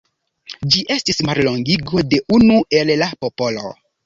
Ĝi estis mallongigo de "Unu el la popolo".